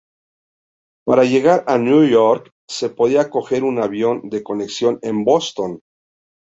Para llegar a Nueva York se podía coger un avión de conexión en Boston.